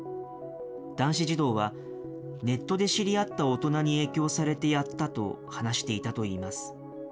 男子児童は、ネットで知り合った大人に影響されてやったと話していたといいます。